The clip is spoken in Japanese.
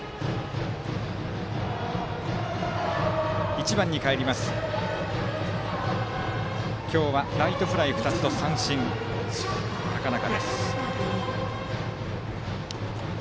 １番にかえって、今日はライトフライ２つと三振の高中。